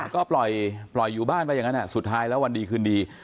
ก็ปล่อยอยู่บ้านสุดท้ายแล้ววันดีคืนดี